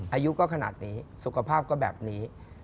อายุก็ขนาดนี้สุขภาพก็แบบนี้